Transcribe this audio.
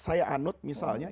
itu islam yang saya anut misalnya